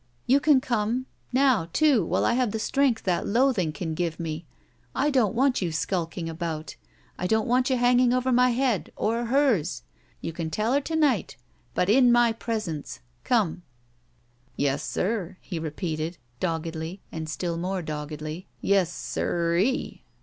You can come! Now, too, while I have the strength that loathing you can give me. I don't want you skulking about. I don't want you hanging over my head — or hers! You can tell her to night — ^but in my presence! Come!" "Yes, sir," he repeated, doggedly and still more doggedly. "Yes, siree!"